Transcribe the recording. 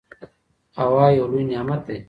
هوا یو لوی نعمت دی.